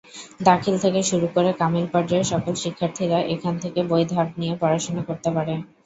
দাখিল থেকে শুরু করে কামিল পর্যায়ের সকল শিক্ষার্থীরা এখান থেকে বই ধার নিয়ে পড়াশোনা করতে পারে।